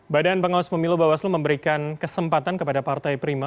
badan pengawas pemilu bawaslu memberikan kesempatan kepada partai prima